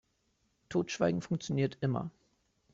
Totschweigen funktioniert immer.